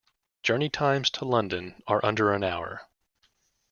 Journey times to London are under an hour.